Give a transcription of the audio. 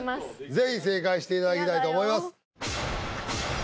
是非正解していただきたいと思います